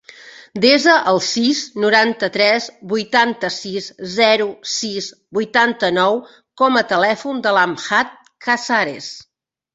Desa el sis, noranta-tres, vuitanta-sis, zero, sis, vuitanta-nou com a telèfon de l'Amjad Casares.